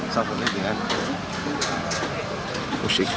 salah satunya dengan musik musik jazz